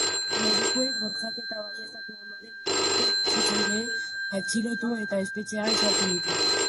Medikuek bortxaketa baieztatu ondoren ustezko erasotzailea atxilotu eta espetxean sartu dute.